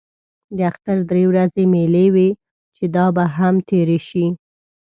د اختر درې ورځې مېلې وې چې دا به هم تېرې شي.